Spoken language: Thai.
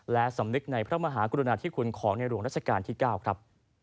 และสำนึกในพระมหากรุณาธิคุณของในหลวงรัชกาลที่๙ครับ